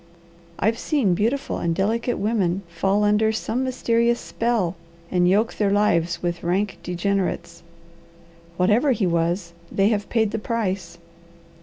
I've seen beautiful and delicate women fall under some mysterious spell, and yoke their lives with rank degenerates. Whatever he was, they have paid the price.